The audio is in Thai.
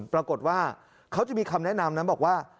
ปรากฏว่าเขาจะมีคำแนะนำนะบอกว่า